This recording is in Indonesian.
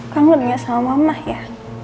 kangen gak sama mama ya